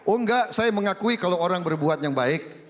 oh enggak saya mengakui kalau orang berbuat yang baik